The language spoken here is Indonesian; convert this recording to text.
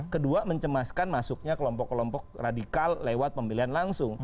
kedua mencemaskan masuknya kelompok kelompok radikal lewat pemilihan langsung